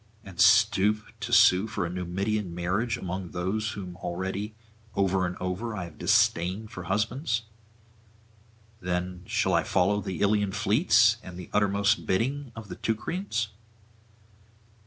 and stoop to sue for a Numidian marriage among those whom already over and over I have disdained for husbands? Then shall I follow the Ilian fleets and the uttermost bidding of the Teucrians?